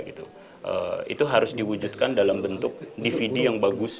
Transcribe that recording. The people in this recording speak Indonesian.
itu harus diwujudkan dalam bentuk dvd yang bagus